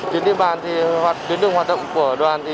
tuyến điện bàn hoặc tuyến đường hoạt động của đoàn